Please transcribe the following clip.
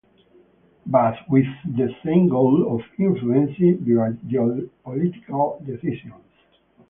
But with the same goal of influencing their geopolitical decisions.